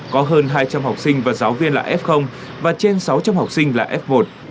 có hơn hai trăm linh học sinh và giáo viên là f và trên sáu trăm linh học sinh là f một